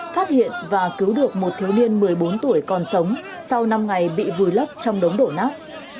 phát hiện và cứu được một thiếu niên một mươi bốn tuổi còn sống sau năm ngày bị vùi lấp trong đống đổ nát